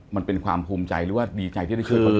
มันเป็นความภูมิใจหรือว่าดีใจที่ได้ช่วยคนอื่น